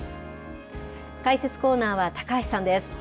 解説コーナーは高橋さんです。